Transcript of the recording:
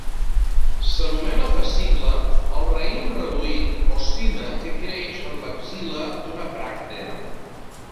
S'anomena fascicle al raïm reduït o cima que creix en l'axil·la d'una bràctea.